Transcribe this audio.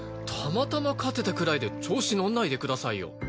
たまたま勝てたくらいで調子のんないでくださいよ！